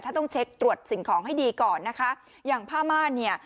ถ้าต้องเช็คตรวจสิ่งของให้ดีก่อนนะคะอย่างผ้าม่านเนี่ย